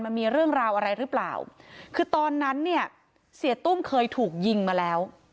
มันมีเรื่องราวอะไรหรือเปล่าคือตอนนั้นเนี่ยเสียตุ้มเคยถูกยิงมาแล้ว